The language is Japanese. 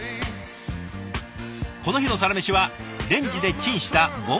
この日のサラメシはレンジでチンしたボンゴレパスタ。